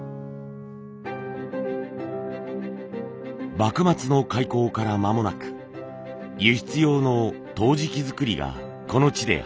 幕末の開港から間もなく輸出用の陶磁器作りがこの地で始まります。